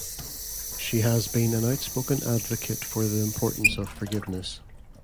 She has been an outspoken advocate for the importance of forgiveness.